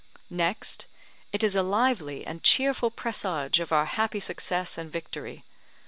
Next, it is a lively and cheerful presage of our happy success and victory.